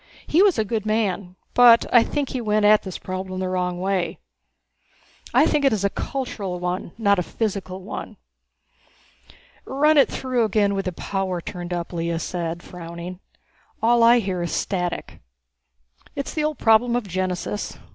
He was a good man, but I think he went at this problem the wrong way. I think it is a cultural one, not a physical one." "Run it through again with the power turned up," Lea said, frowning. "All I hear is static." "It's the old problem of genesis.